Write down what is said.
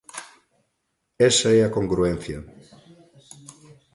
¡Esa é a congruencia!